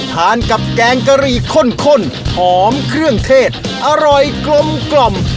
ทานกับแกงกะหรี่ข้นหอมเครื่องเทศอร่อยกลมกล่อม